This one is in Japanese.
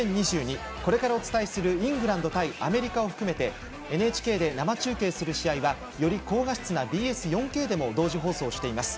これからお伝えするイングランド対アメリカを含めてＮＨＫで生中継する試合はより高画質なＢＳ４Ｋでも同時放送しています。